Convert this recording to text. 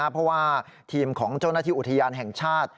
เพราะว่าทีมของเจ้าหน้าที่อุทยานแห่งชาติ